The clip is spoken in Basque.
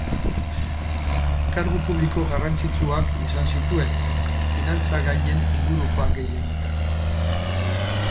Kargu publiko garrantzitsuak izan zituen, finantza gaien ingurukoak gehienetan.